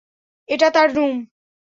এটা তার রুম।